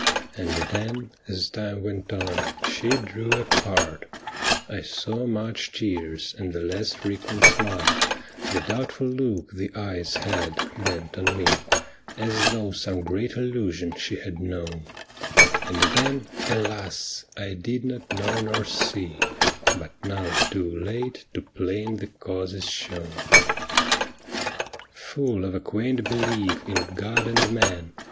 And then, as time went on, she drew apart, 1 saw much tears and the less frequent smile, The doubtful look the eyes had, bent on me. As thougli some great illusion she had known. • 'THE ME WITHIN THEE BUND!' 93 And tlien, alas ! 1 did not know nor see, But now, too late, too plain the cause is shown. Full of a quaint belief in God and man.